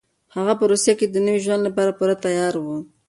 هغه په روسيه کې د نوي ژوند لپاره پوره تيار و.